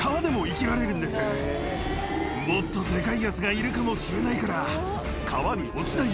もっとデカいやつがいるかもしれないから。